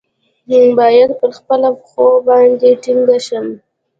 باید پر خپله پښتو باندې ټینګ شم.